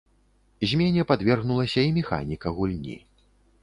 Змене падвергнулася і механіка гульні.